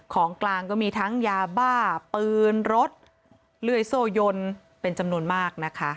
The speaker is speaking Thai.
ของกลางก็มีทั้งยาบ้าปืนรถเลื่อยโซ่ยนเป็นจำนวนมากนะคะ